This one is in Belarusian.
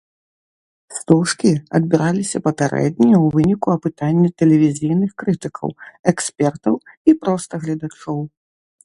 Стужкі адбіраліся папярэдне ў выніку апытання тэлевізійных крытыкаў, экспертаў і проста гледачоў.